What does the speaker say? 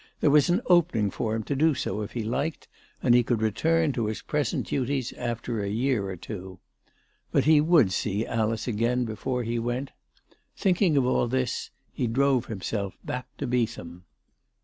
There was an opening for him to do so if he liked, and he could return to his present duties after a year or two. But he would see Alice again before he went. Thinking of all this, he drove himself back to Beetham. ALICE DUGDALE.